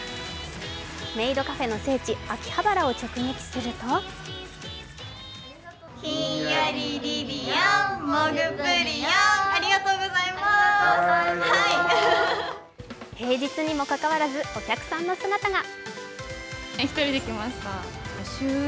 メイドカフェの聖地・秋葉原を直撃すると平日にもかかわらずお客さんの姿が。